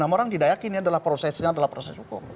enam orang tidak yakin ini adalah proses hukum